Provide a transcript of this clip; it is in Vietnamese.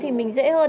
thì mình dễ hơn